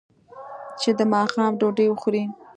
چې د ماښام ډوډۍ وخوري.